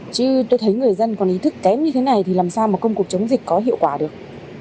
chứ tôi thấy người dân còn ý thức kém như thế này thì làm sao mà công cuộc chống dịch có hiệu quả được